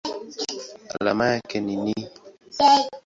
Alama yake ni Ni.